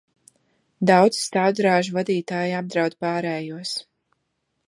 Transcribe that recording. Daudzi stāvdrāžu vadītāji apdraud pārējos.